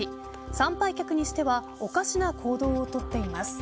参拝客にしてはおかしな行動をとっています。